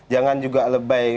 jangan juga lebay